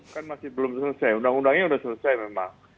kan masih belum selesai undang undangnya sudah selesai memang